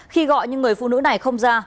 khi gọi nhưng người phụ nữ này không ra